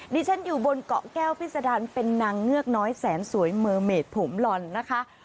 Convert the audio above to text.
ดิฉันอยู่บนเกาะแก้วพิษดารเป็นนางเงือกน้อยแสนสวยเมอร์เมดผมหล่อนนะคะ